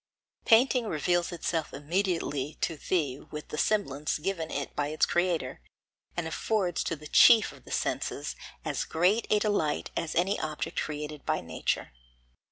Painting reveals itself immediately to thee with the semblance given it by its creator, and affords to the chief of the senses as great a delight as any object created by nature.